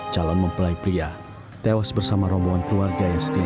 calon mempelai pria tewas bersama rombongan keluarga yang setia